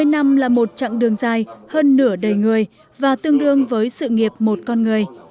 hai mươi năm là một chặng đường dài hơn nửa đời người và tương đương với sự nghiệp một con người